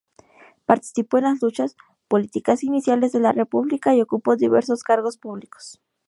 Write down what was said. Participó en las luchas políticas iniciales de la República y ocupó diversos cargos públicos.